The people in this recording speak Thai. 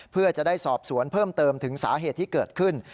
เพื่อจะได้สอบสวนเพิ่มเติมถึงสาเหตุที่เกิดขึ้น